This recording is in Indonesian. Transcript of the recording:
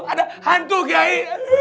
ada hantu kiai